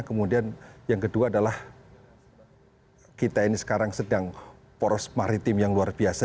kemudian yang kedua adalah kita ini sekarang sedang poros maritim yang luar biasa